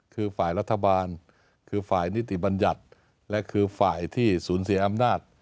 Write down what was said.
คือฝ่ายรัฐบาลคือฝ่ายนิติบัญญัติและคือฝ่ายที่สูญเสียอำนาจ